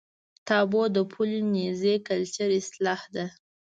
تابو د پولي نیزي کلچر اصطلاح ده.